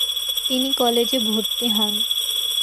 তিনি কলেজে ভর্তি হন।